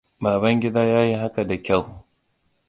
Babangida yayi haka da kyau.